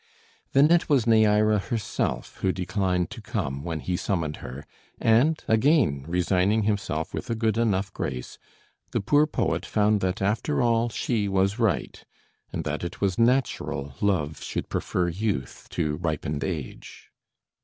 Then it was Neæra herself who declined to come when he summoned her, and again resigning himself with a good enough grace, the poor poet found that after all she was right, and that it was natural love should prefer youth to ripened age.